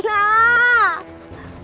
di sini ada bayi